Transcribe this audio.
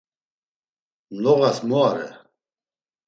Noğas mu are?